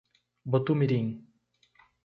Botumirim